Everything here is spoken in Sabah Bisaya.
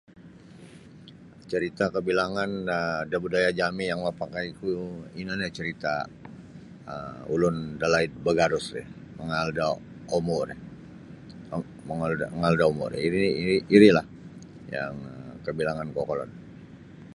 Carita' kabilangan um da budaya jami' yang mapakaiku ino nio carita' um ulun dalaid bagarus ri mangaal da omu ri mangaal da omu ri iri irilah yang yang kabilangan kokolod.